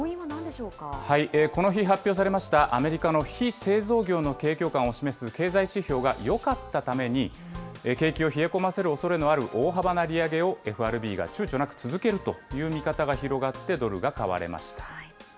この日発表されました、アメリカの非製造業の景況感を示す経済指標がよかったために、景気を冷え込ませるおそれのある大幅な利上げをＦＲＢがちゅうちょなく続けるという見方が広がってドルが買われました。